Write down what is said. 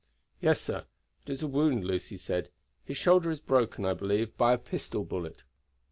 "Yes, sir. It is a wound," Lucy said. "His shoulder is broken, I believe, by a pistol bullet."